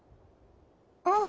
あっ！